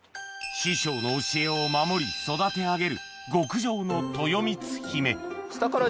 師匠の教えを守り育て上げる極上のとよみつひめ